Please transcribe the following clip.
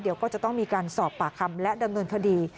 เดี๋ยวก็จะต้องมีการสอบปากคำและดำเนินคดี